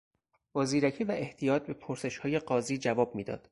با زیرکی و احتیاط به پرسشهای قاضی جواب میداد.